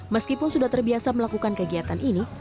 meskipun sudah terbiasa melakukan kegiatan ini